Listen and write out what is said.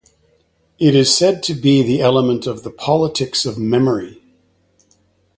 It is said to be the element of the politics of memory.